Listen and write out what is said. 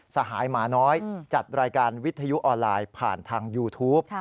สหายหมาน้อยจัดรายการวิทยุออนไลน์ผ่านทางยูทูป